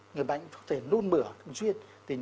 người bệnh có thể luôn mở thường xuyên